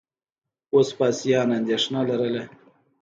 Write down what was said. وسپاسیان اندېښنه لرله.